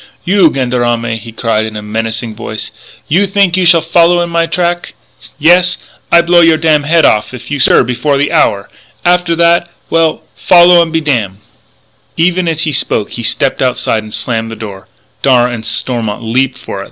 "You gendarme," he cried in a menacing voice, "you think you shall follow in my track. Yes? I blow your damn head off if you stir before the hour.... After that well, follow and be damn!" Even as he spoke he stepped outside and slammed the door; and Darragh and Stormont leaped for it.